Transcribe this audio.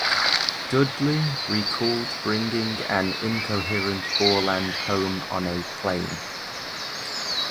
Dudley recalled bringing an incoherent Borland home on a plane.